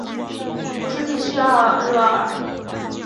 博斯地区奥尔热尔。